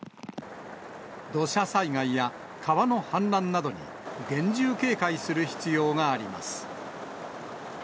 土砂災害や川の氾濫などに厳重警戒する必要があります。